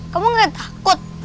kamu gak takut